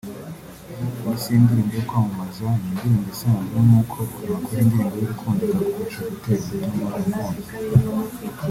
Iyi si indirimbo yo kwamamaza ni indirimbo isanzwe nkuko nakora indirimbo y’urukundo ikagufasha gutera umutoma umukunzi